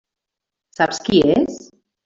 Saps qui és?